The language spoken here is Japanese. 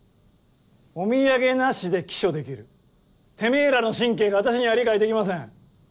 お土産なしで帰署できるてめぇらの神経が私には理解できません。